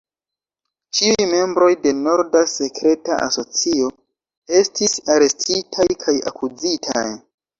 Ĉiuj membroj de "Norda Sekreta Asocio" estis arestitaj kaj akuzitaj.